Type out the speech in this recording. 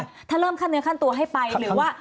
ถ้าเริ่มขั้นเนื้อขั้นตัวให้ไปหรือว่า